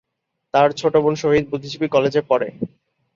তার ছোট বোন শহীদ বুদ্ধিজীবী কলেজে পড়ে।